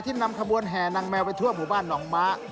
นำขบวนแห่นางแมวไปทั่วหมู่บ้านหนองม้า